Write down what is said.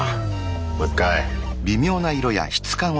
もう一回。